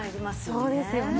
そうですよね。